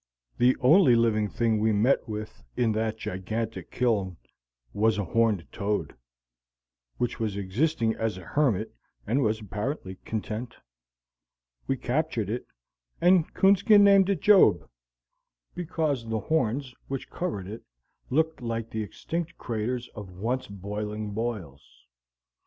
The only living thing we met with in that gigantic kiln was a horned toad, which was existing as a hermit and was apparently content. We captured it, and Coonskin named it Job, because the horns which covered it looked like the extinct craters of once boiling boils.